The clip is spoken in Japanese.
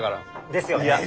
ですよね？